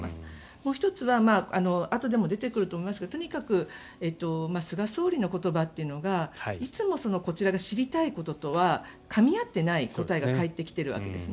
もう１つはあとでも出てくると思いますがとにかく菅総理の言葉というのがいつもこちらが知りたいこととはかみ合っていない答えが返ってきてるわけですね。